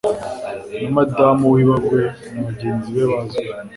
Na Madamu wibagiwe nabagenzi be bazwi